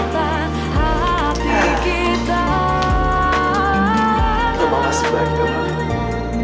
mama gak boleh begitu mama gak boleh egois